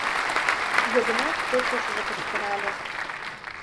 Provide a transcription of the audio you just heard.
— Йыгнат почешыже кычкырале.